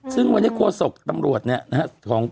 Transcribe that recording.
ซึ่งวันนี้ครัวศกตำรวจเนี่ยนะฮะ